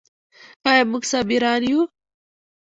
آیا موږ صابران یو؟